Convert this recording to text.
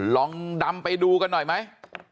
ลองดำไปดูกันหน่อยไหม